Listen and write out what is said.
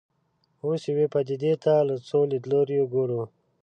اوس یوې پدیدې ته له څو لیدلوریو ګورو.